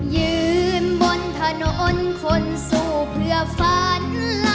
ยืมบนถนนคนสู้เพื่อฝันลำพัง